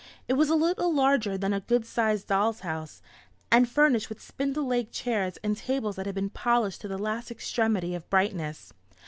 It was a little larger than a good sized doll's house, and furnished with spindle legged chairs and tables that had been polished to the last extremity of brightness.